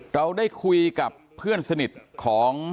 เราได้คุยกับเพื่อนสนิทของ